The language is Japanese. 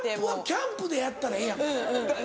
キャンプでやったらええやんか。